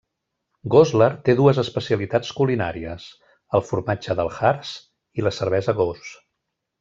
Goslar té dues especialitats culinàries: el formatge del Harz i la cervesa Gose.